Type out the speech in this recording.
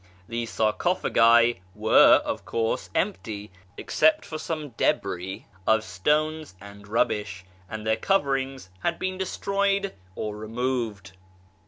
These sarcophagi were, of course, empty (except for some cUhris of stones and rubbish), and their coverings had been destroyed or removed.